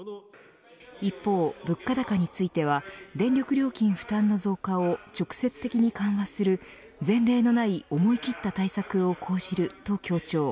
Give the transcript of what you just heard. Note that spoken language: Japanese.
一方、物価高については電力料金負担の増加を直接的に緩和する前例のない思い切った対策を講じると強調。